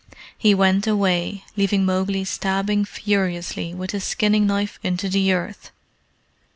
He went away, leaving Mowgli stabbing furiously with his skinning knife into the earth.